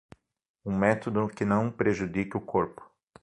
um método que não prejudique o corpo